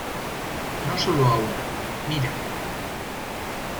no solo a una, mira.